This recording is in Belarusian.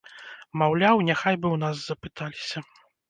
Маўляў, няхай бы ў нас запыталіся.